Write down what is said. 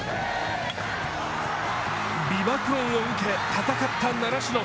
美爆音を受け、戦った習志野。